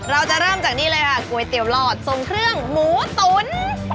เราจะเริ่มจากนี่เลยค่ะก๋วยเตี๋ยวหลอดส่งเครื่องหมูตุ๋น